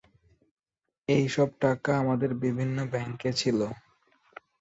এসব টাকা আমাদের বিভিন্ন ব্যাংকে ছিল।